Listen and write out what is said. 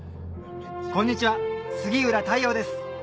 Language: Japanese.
こんにちは杉浦太陽です